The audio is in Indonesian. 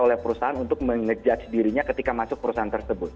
oleh perusahaan untuk mengejudge dirinya ketika masuk perusahaan tersebut